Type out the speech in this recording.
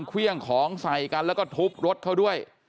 เครื่องของใส่กันแล้วก็ทุบรถเขาด้วย